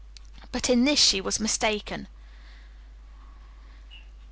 But in this she was mistaken.